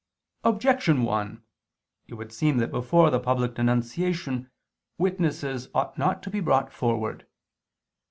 Objection 1: It would seem that before the public denunciation witnesses ought not to be brought forward.